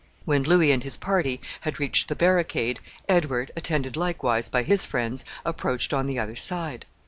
When Louis and his party had reached the barricade, Edward, attended likewise by his friends, approached on the other side.